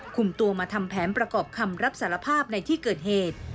คุมตัวมาทำแผนประกอบคำรับสารภาพในที่เกิดเหตุ